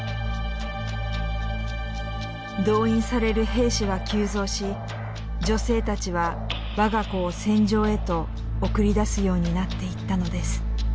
動員される兵士は急増し女性たちは我が子を戦場へと送り出すようになっていったのです。